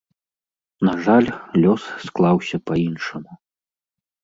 На жаль, лёс склаўся па-іншаму.